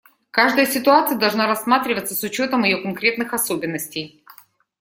Каждая ситуация должна рассматриваться с учетом ее конкретных особенностей.